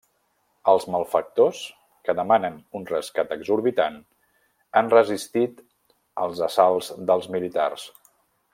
Els malfactors, que demanen un rescat exorbitant, han resistit als assalts dels militars.